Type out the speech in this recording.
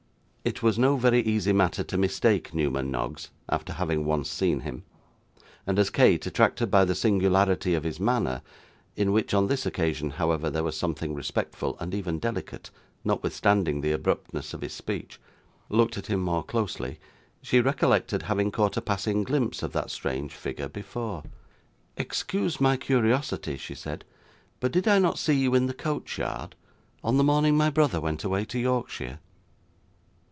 It was no very easy matter to mistake Newman Noggs, after having once seen him, and as Kate, attracted by the singularity of his manner (in which on this occasion, however, there was something respectful and even delicate, notwithstanding the abruptness of his speech), looked at him more closely, she recollected having caught a passing glimpse of that strange figure before. 'Excuse my curiosity,' she said, 'but did I not see you in the coachyard, on the morning my brother went away to Yorkshire?